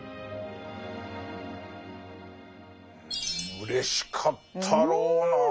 うれしかったろうなあ。